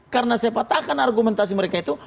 karena saya patahkan argumentasi mereka itu